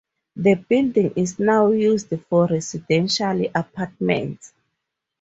The building is now used for residential apartments.